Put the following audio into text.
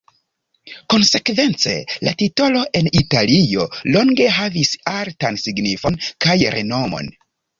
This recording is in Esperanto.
Konsekvence, la titolo en Italio longe havis altan signifon kaj renomon.